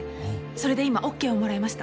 それで今オッケーをもらいました。